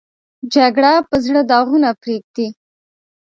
جګړه په زړه داغونه پرېږدي